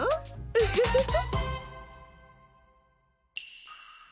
ウフフフ。